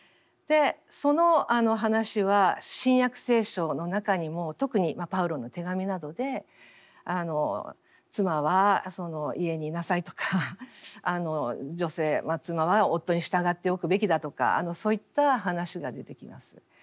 その話は「新約聖書」の中にも特にパウロの手紙などで妻は家にいなさいとか女性妻は夫に従っておくべきだとかそういった話が出てきます。